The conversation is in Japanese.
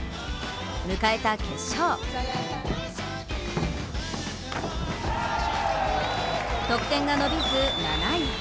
迎えた決勝、得点が伸びず７位。